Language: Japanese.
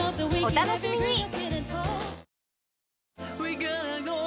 お楽しみに！